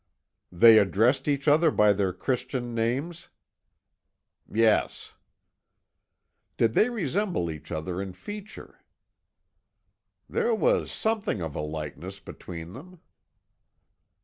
"They addressed each other by their Christian names?" "Yes." "Did they resemble each other in feature?" "There was something of a likeness between them."